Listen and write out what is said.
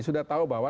sudah tahu bahwa